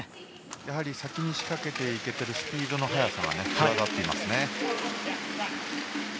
やはり先に仕掛けていけているスピードの速さが上回っていますよね。